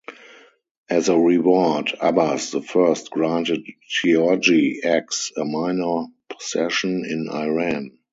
As a reward, Abbas the First granted Giorgi X a minor possession in Iran.